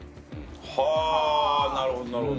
はぁなるほどなるほど。